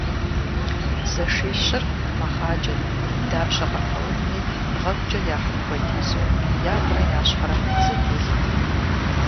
Зэшищыр мэхъаджэт, дапщэ къапэувми бгъэгукӀэ яхьын хуэдизу ягурэ я щхьэрэ зэтелът.